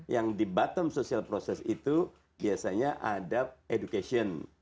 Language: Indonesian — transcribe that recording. yang di bottom social process itu biasanya ada education